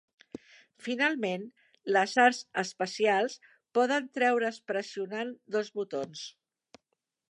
Finalment, les "arts especials" poden treure's pressionant dos botons.